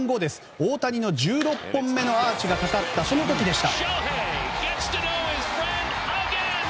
大谷の１６本目のアーチがかかった、その時でした。